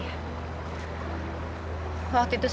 sesuatu ini sesuai dengan arus sungai itu